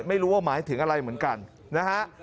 ไม่รู้ว่าหมายถึงอะไรเหมือนกันนะฮะ